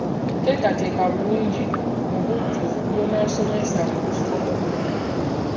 Teekateeka bulungi mu bujjuvu by'onaabasomesa mu ssomo lino.